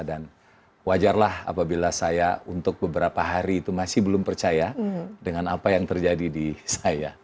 dan wajarlah apabila saya untuk beberapa hari itu masih belum percaya dengan apa yang terjadi di saya